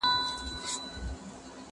زه به اوږده موده کتابتون ته تللی وم!